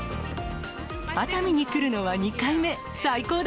熱海に来るのは２回目。